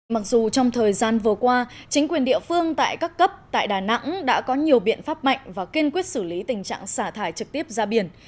mặc dù trong thời gian vừa qua chính quyền địa phương tại các cấp tại đà nẵng đã có nhiều biện pháp mạnh và kiên quyết xử lý tình trạng xả thải trực tiếp ra biển